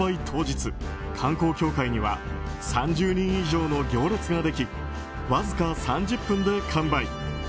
当日観光協会には３０人以上の行列ができわずか３０分で完売。